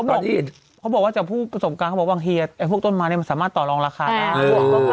ไม่เขาบอกว่าจากผู้ประสบการณ์เขาบอกว่าบางทีพวกต้นไม้สามารถต่อรองราคากัน